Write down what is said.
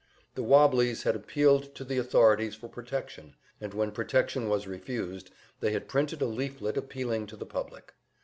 The "wobblies" had appealed to the authorities for protection, and when protection was refused, they had printed a leaflet appealing to the public.